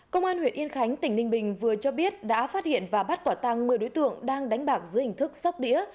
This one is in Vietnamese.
công an huyện yên khánh tỉnh ninh bình vừa cho biết đã phát hiện và bắt quả tăng một mươi đối tượng đang đánh bạc dưới hình thức sóc đĩa